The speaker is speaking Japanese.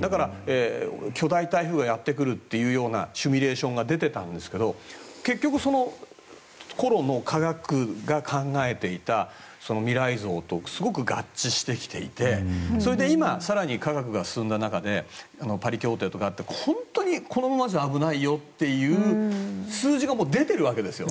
だから、巨大台風がやってくるというシミュレーションが出てたんですけど結局、その頃の科学が考えていた未来像とすごく合致してきていてそれで今、更に科学が進んだ中でパリ協定とかがあってこのままじゃ危ないよという数字がもう出ているわけですよ。